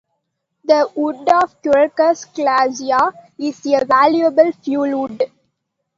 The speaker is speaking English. The wood of "Quercus glauca" is a valuable fuelwood.